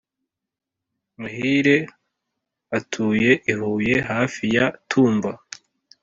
Muhire atuye i Huye hafi ya Tumba.